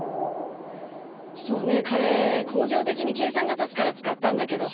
そうね彼興行的に計算が立つから使ったんだけど。